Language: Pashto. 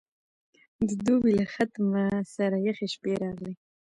د دوبي له ختمه سره یخې شپې راغلې.